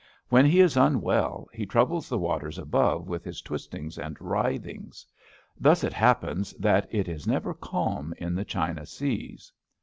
When he is unwell he troubles the waters above with his twistings and writhings. Thus it happens that it is never calm in the China seas.